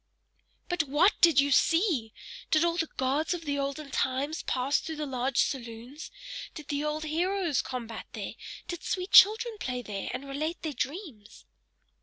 "But WHAT DID you see? Did all the gods of the olden times pass through the large saloons? Did the old heroes combat there? Did sweet children play there, and relate their dreams?"